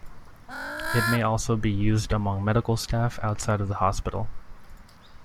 It may also be used among medical staff outside of the hospital.